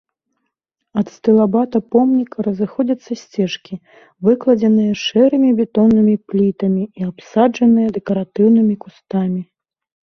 Ад стылабата помніка разыходзяцца сцежкі, выкладзеныя шэрымі бетоннымі плітамі і абсаджаныя дэкаратыўнымі кустамі.